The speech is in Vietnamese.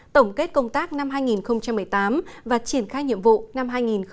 tổng kết công tác năm hai nghìn một mươi tám và triển khai nhiệm vụ năm hai nghìn một mươi chín